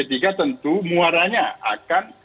tentu muaranya akan